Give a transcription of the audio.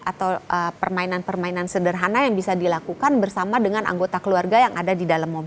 atau permainan permainan sederhana yang bisa dilakukan bersama dengan anggota keluarga yang ada di dalam mobil